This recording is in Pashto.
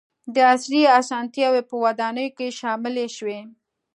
• عصري اسانتیاوې په ودانیو کې شاملې شوې.